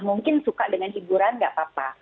mungkin suka dengan hiburan nggak apa apa